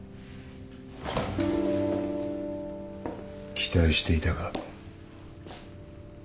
期待していたが。